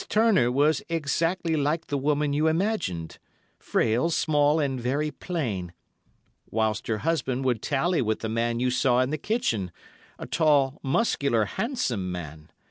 Turner was exactly like the woman you imagined—frail, small and very plain; whilst her husband would tally with the man you saw in the kitchen—a tall, muscular, handsome man.